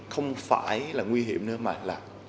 không phải là nguy hiểm nữa mà là